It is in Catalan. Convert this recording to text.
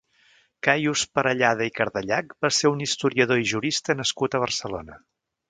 Caius Parellada i Cardellach va ser un historiador i jurista nascut a Barcelona.